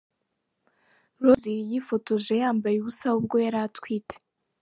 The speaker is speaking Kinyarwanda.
Rosie yifotoje yambaye ubusa ubwo yari atwite.